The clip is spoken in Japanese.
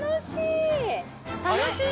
楽しい。